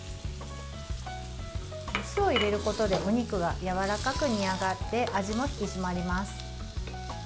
酢を入れることでお肉がやわらかく煮上がって味も引き締まります。